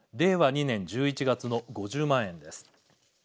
２年１１月の５０万円です。